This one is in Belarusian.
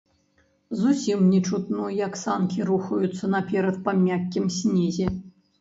Зусім не чутно, як санкі рухаюцца наперад па мяккім снезе.